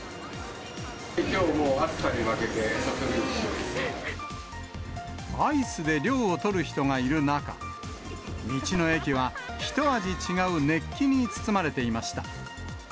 きょうも暑さに負けて、アイスで涼をとる人がいる中、道の駅は、ひと味違う熱気に包まれていました。